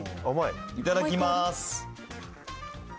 いただきます。